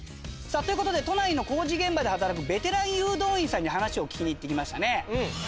さあという事で都内の工事現場で働くベテラン誘導員さんに話を聞きに行ってきましたね。